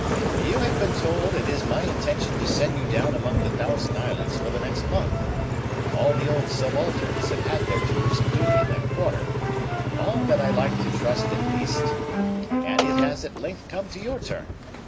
"You have been told it is my intention to send you down among the Thousand Islands for the next month. All the old subalterns have had their tours of duty in that quarter all that I like to trust at least; and it has at length come to your turn.